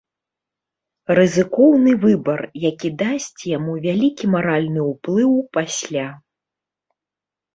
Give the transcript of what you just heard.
Рызыкоўны выбар, які дасць яму вялікі маральны ўплыў пасля.